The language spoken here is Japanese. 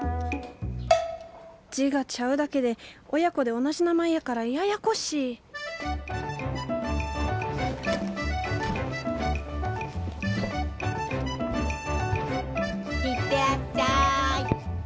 字がちゃうだけで親子で同じ名前やからややこしい行ってらっしゃい！